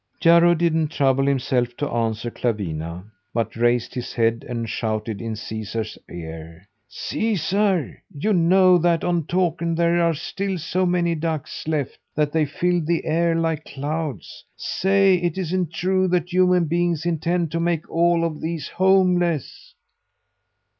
Jarro didn't trouble himself to answer Clawina, but raised his head, and shouted in Caesar's ear: "Caesar! You know that on Takern there are still so many ducks left that they fill the air like clouds. Say it isn't true that human beings intend to make all of these homeless!"